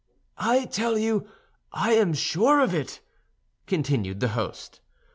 "I tell you I am sure of it," continued the host.